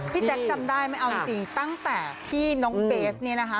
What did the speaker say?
แจ๊คจำได้ไม่เอาจริงตั้งแต่ที่น้องเบสเนี่ยนะคะ